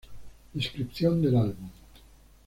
Descripción del álbum.